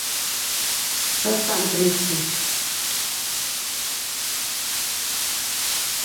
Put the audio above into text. Só están tristes.